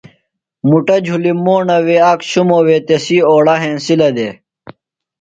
مُٹہ جُھلیۡ موݨہ وے آک شُموے تسی اوڑہ ہینسِلہ دےۡ۔